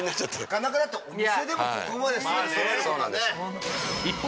なかなかだってお店でもここまで全てそろえることはね。